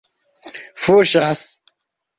fuŝas